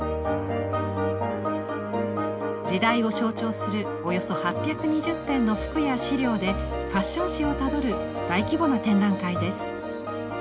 時代を象徴するおよそ８２０点の服や資料でファッション史をたどる大規模な展覧会です。